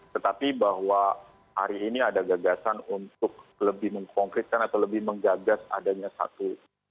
tetapi bahwa hari ini ada gagasan untuk lebih mengkonkretkan atau lebih menggagas adanya satu